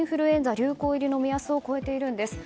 流行入りの目安を越えているんです。